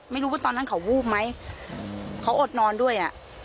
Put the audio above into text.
ไม่รู้ว่าตอนนั้นเขาวูบไหมเขาอดนอนด้วยอ่ะ